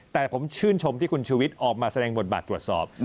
แต่ผมชื่นชมที่คุณชูวิทย์ออกมาแสดงบทบาทตรวจสอบ